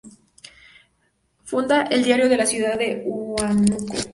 Funda el diario de la ciudad de Huánuco.